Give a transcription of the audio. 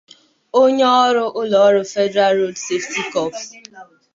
onye ọrụ ụlọọrụ 'Federal Road Safety Corps